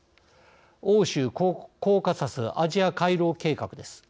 欧州コーカサスアジア回廊計画です。